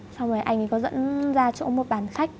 xong rồi anh ấy có dẫn ra chỗ một bàn khách